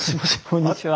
こんにちは。